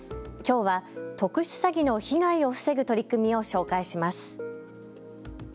きょうは特殊詐欺の被害を防ぐ取り組みを紹介します。